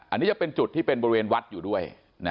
อันนี้จะเป็นจุดที่เป็นบริเวณวัดอยู่ด้วย